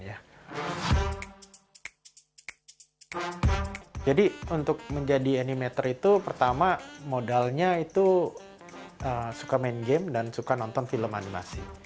untuk menjadi animator itu pertama modalnya itu suka main game dan suka nonton film animasi